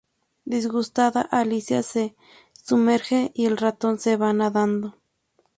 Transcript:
Disgustada, Alicia se sumerge y el ratón se va nadando.